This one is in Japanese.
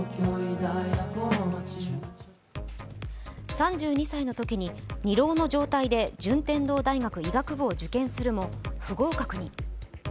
３２歳のときに２浪の状態で順天堂大学医学部を受験するも不合格に。